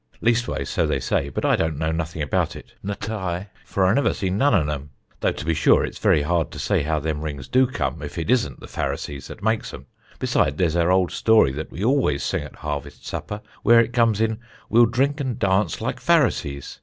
Leastways so they say; but I don't know nothing about it, in tye, for I never seen none an 'em; though to be sure it's very hard to say how them rings do come, if it is'nt the Pharisees that makes 'em. Besides there's our old song that we always sing at harvest supper, where it comes in 'We'll drink and dance like Pharisees.'